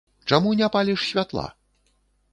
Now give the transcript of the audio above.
Чаму не паліш святла?